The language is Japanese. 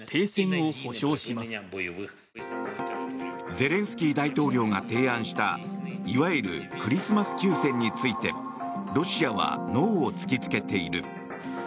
ゼレンスキー大統領が提案したいわゆるクリスマス休戦についてロシアはノーを突きつけている。